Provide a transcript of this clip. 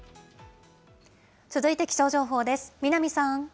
続いて気象情報です。